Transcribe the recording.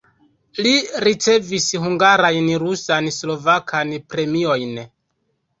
Li ricevis hungarajn rusan, slovakan premiojn.